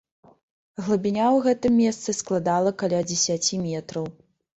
Глыбіня ў гэтым месцы складала каля дзесяці метраў.